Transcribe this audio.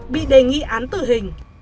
bị đề nghị án tử hình